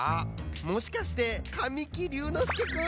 もしかして神木隆之介くん？